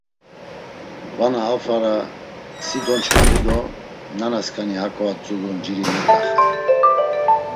Vana a fara si donç̌vali do nanasǩani hako a tzulu nciri met̆axay!